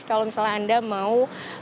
kalau misalnya anda mau